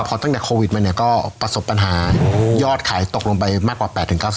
พอตั้งแต่โควิดมาเนี่ยก็ประสบปัญหายอดขายตกลงไปมากกว่า๘๙๐